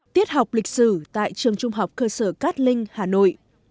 tiết học lịch sử tại trường trung học cơ sở cát linh hà nội